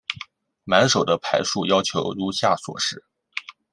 满手的牌数要求如下所示。